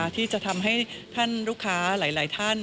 ที่จะทำให้ท่านลูกค้าหลายท่าน